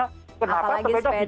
kenapa sepeda dibulihkan